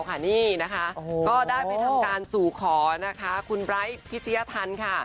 ก็ได้ไปทำการสู่ขอคุณไบจ์พิธิฮัทัน